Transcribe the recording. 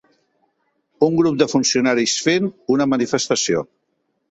Un grup de funcionaris fent una manifestació.